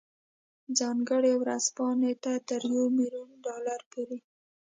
ځانګړې ورځپاڼې ته تر یو میلیون ډالرو پورې.